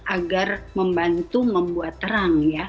agar membantu membuat terkini